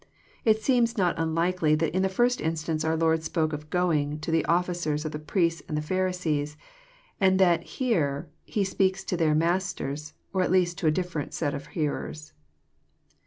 — It seems not unlikely that in the first instance our Lord spoke of '* going " to the officers of the priests and Pharisees, and that here He speaks to their masters, or at least to a different set of hearers.